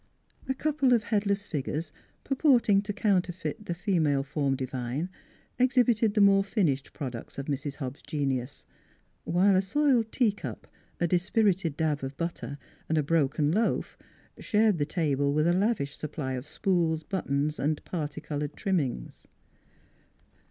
A couple of headless figures, purporting to counterfeit the female form divine, exhibited the more finished products of Mrs. Hobbs' genius, while a soiled teacup, a dispirited dab of butter, and a broken loaf shared the table with a lavish supply of spools, buttons, and parti colored trim mings.